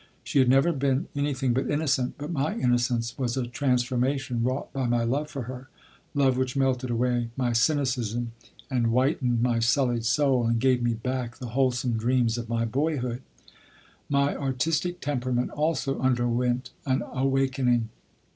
She had never been anything but innocent; but my innocence was a transformation wrought by my love for her, love which melted away my cynicism and whitened my sullied soul and gave me back the wholesome dreams of my boyhood. My artistic temperament also underwent an awakening.